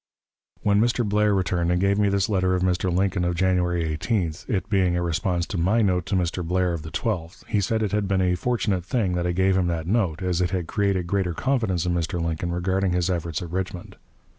When Mr. Blair returned and gave me this letter of Mr. Lincoln of January 18th, it being a response to my note to Mr. Blair of the 12th, he said it had been a fortunate thing that I gave him that note, as it had created greater confidence in Mr. Lincoln regarding his efforts at Richmond.